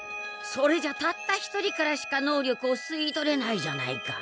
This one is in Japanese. それじゃたった一人からしか能力を吸い取れないじゃないか。